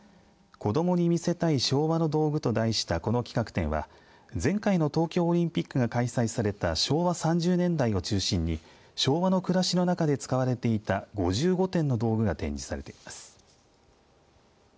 子どもに見せたい昭和の道具と題したこの企画展は前回の東京オリンピックが開催された昭和３０年代を中心に昭和の暮らしの中で使われていた５５点の道具が展示されています。